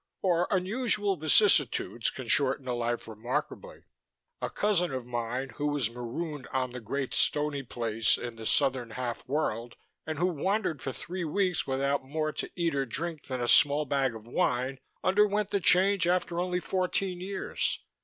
Or unusual vicissitudes can shorten a life remarkably. A cousin of mine, who was marooned on the Great Stony Place in the southern half world and who wandered for three weeks without more to eat or drink than a small bag of wine, underwent the Change after only fourteen years.